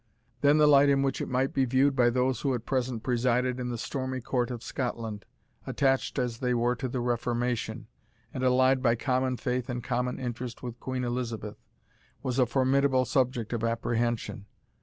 Then the light in which it might be viewed by those who at present presided in the stormy Court of Scotland, attached as they were to the Reformation, and allied by common faith and common interest with Queen Elizabeth, was a formidable subject of apprehension.